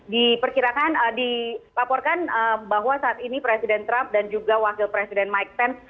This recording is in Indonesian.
di perkirakan dipaporkan bahwa saat ini presiden trump dan juga wakil presiden mike pence